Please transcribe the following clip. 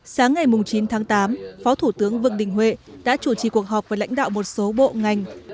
sáng ngày chín tháng tám phó thủ tướng vương đình huệ đã chủ trì cuộc họp với lãnh đạo một số bộ ngành